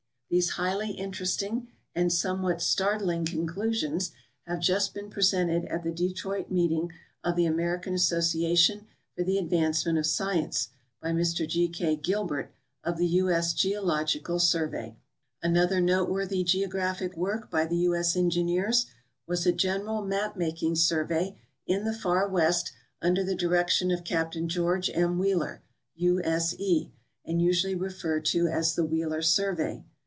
These highly interesting and somewhat startling conclusions have just been presented at GEOGRAPHICAL RESEARCH IN THE UNITED STATES 289 the Detroit meetino; of the American Association for the Advance ment of Science by Mr G. K. Gilbert, of the U. S. Geological Survey. Another noteworthy geographic Avork by the U. S. Engineers was a general map making survey in the far west under the di rection of Capt. George M. Wheeler, U. S. E., and usually referred to as the Wheeler survey.